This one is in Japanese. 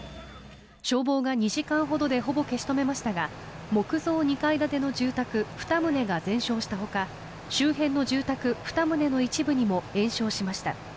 消防が２時間ほどでほぼ消し止めましたが木造２階建ての住宅２棟が全焼したほか周辺の住宅２棟の一部にも延焼しました。